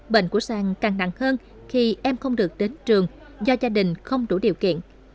bệnh của sang càng nặng hơn khi em không được đến trường do gia đình không đủ điều kiện